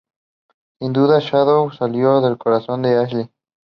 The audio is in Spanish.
Sin duda "Shadow" salió del corazón de Ashlee.